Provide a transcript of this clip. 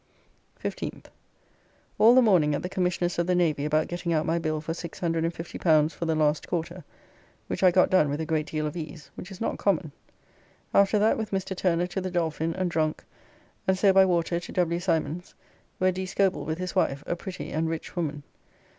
15th. All the morning at the Commissioners of the Navy about getting out my bill for L650 for the last quarter, which I got done with a great deal of ease, which is not common. After that with Mr. Turner to the Dolphin and drunk, and so by water to W. Symons, where D. Scobell with his wife, a pretty and rich woman.